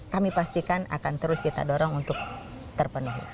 kami pastikan akan terus kita dorong untuk terpenuhi